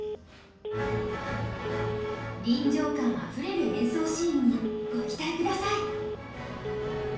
臨場感あふれる演奏シーンにご期待ください！